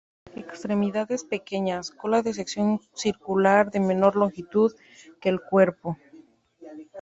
Extremidades pequeñas, cola de sección circular de menor longitud que el cuerpo.